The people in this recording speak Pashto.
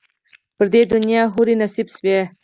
پر دې دنیا یې حوري نصیب سوې